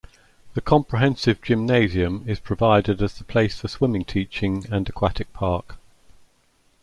The comprehensive gymnasium is provided as the place for swimming teaching and aquatic park.